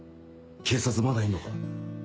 警察まだいんのか？